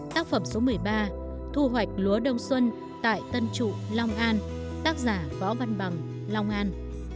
tác phẩm số một mươi ba thu hoạch lúa đông xuân tại tân trụ long an tác giả võ văn bằng long an